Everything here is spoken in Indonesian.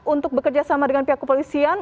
untuk bekerja sama dengan pihak kepolisian